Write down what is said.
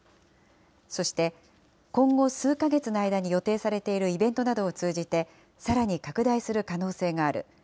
そして今後数か月の間に予定されているイベントなどを通じて、さらに拡大する可能性がある。